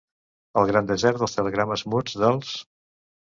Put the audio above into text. El gran desert dels telegrames muts dels